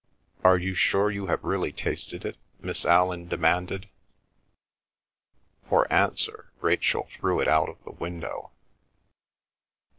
"Are you sure you have really tasted it?" Miss Allan demanded. For answer Rachel threw it out of the window.